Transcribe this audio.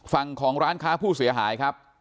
ฝั่งของร้านค้าผู้เสียหายครับ